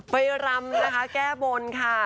ไปรำแก้บนค่ะ